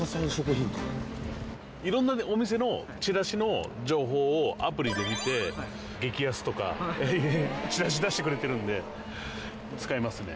色んなお店のチラシの情報をアプリで見て激安とかチラシ出してくれてるんで使いますね。